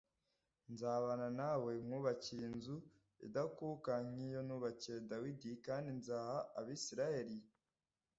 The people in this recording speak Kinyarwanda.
nzabana nawe nkubakire inzu idakuka nk’iyo nubakiye Dawidi, kandi nzaguha Abisirayeli